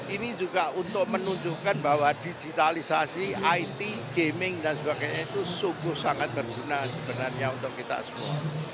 ini juga untuk menunjukkan bahwa digitalisasi it gaming dan sebagainya itu sungguh sangat berguna sebenarnya untuk kita semua